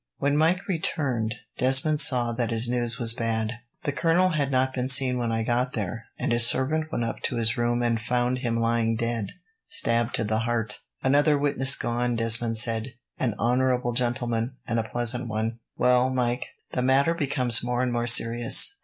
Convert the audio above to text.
When Mike returned, Desmond saw that his news was bad. "The colonel had not been seen when I got there, and his servant went up to his room and found him lying dead, stabbed to the heart." "Another witness gone," Desmond said. "An honourable gentleman, and a pleasant one. Well, Mike, the matter becomes more and more serious.